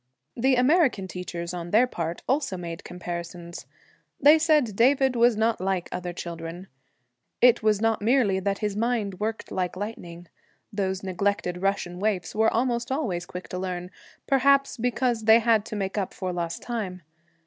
The American teachers, on their part, also made comparisons. They said David was not like other children. It was not merely that his mind worked like lightning; those neglected Russian waifs were almost always quick to learn, perhaps because they had to make up for lost time.